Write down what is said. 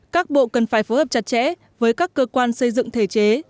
các bộ cần phải phối hợp chặt chẽ với các cơ quan xây dựng thể chế